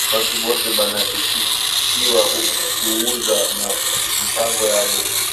Bantu bote bana ichikiwa ku uza ma mpango yabo